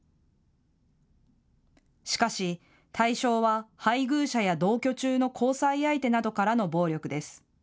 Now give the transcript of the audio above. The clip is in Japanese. しかし、対象は配偶者や同居中の交際相手などからの暴力です。